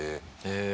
え。